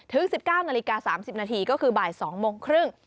๑๙นาฬิกา๓๐นาทีก็คือบ่าย๒โมงครึ่ง